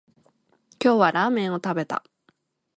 今日はラーメンを食べた